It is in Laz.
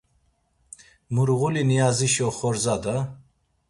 Murğuli Niyazişi oxorza da!